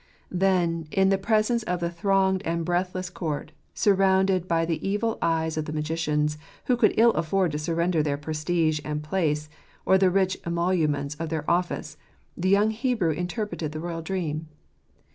Then, in the presence of the thronged and breathless court, surrounded by the evil eyes of the magicians, who could ill afford to surrender their prestige and place, or the rich emoluments of their office, the young Hebrew interpreted the royal dream.